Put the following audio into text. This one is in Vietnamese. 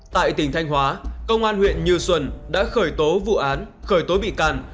tại tỉnh thanh hóa công an huyện như xuân đã khởi tố vụ án khởi tố bị can